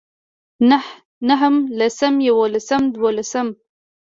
نهم لسم يولسم دولسم